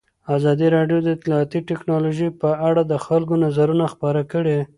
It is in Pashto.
ازادي راډیو د اطلاعاتی تکنالوژي په اړه د خلکو نظرونه خپاره کړي.